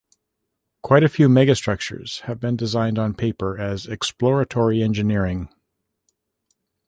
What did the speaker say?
Quite a few megastructures have been designed on paper as exploratory engineering.